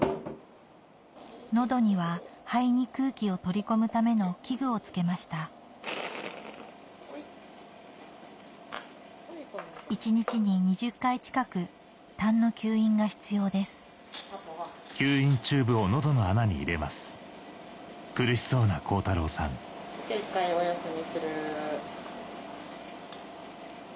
喉には肺に空気を取り込むための器具を付けました一日に２０回近く痰の吸引が必要ですじゃあ１回お休みする。